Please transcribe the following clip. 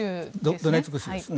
ドネツク州ですね。